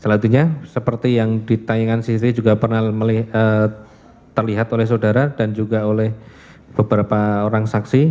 selanjutnya seperti yang ditayangkan siti juga pernah terlihat oleh saudara dan juga oleh beberapa orang saksi